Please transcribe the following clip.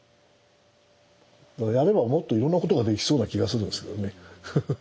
やればもっといろんなことができそうな気がするんですけどねフフフ。